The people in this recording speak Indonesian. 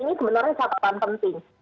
ini sebenarnya syaratan penting